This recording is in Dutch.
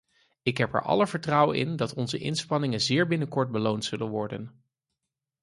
Ik heb er alle vertrouwen in dat onze inspanningen zeer binnenkort beloond zullen worden.